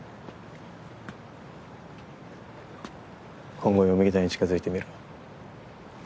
今後田に近づいてみろ。